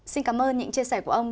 xin cảm ơn những chia sẻ của ông